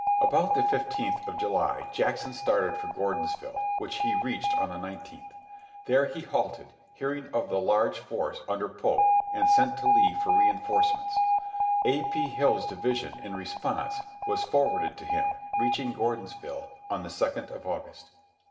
About the fifteenth of July Jackson started for Gordonsville, which he reached on the nineteenth. There he halted, hearing of the large force under Pope, and sent to Lee for reinforcements. A. P. Hill's division, in response, was forwarded to him, reaching Gordonsville on the second of August.